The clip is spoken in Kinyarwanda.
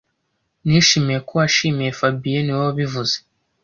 Nishimiye ko wishimiye fabien niwe wabivuze